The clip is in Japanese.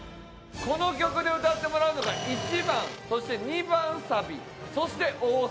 この曲で歌ってもらうのが１番そして２番サビそして大サビだ。